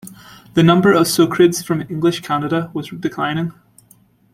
The number of Socreds from English Canada was declining.